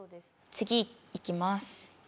次いきます。